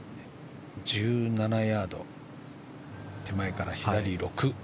１７ヤード手前から、左６。